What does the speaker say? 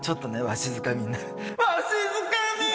わしづかみにね